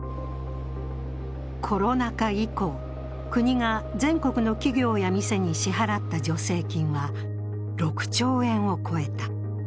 コロナ禍以降、国が全国の企業や店に支払った助成金は６兆円を超えた。